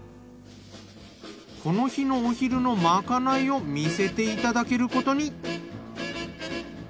この日のお昼のまかないを見せていただけることに。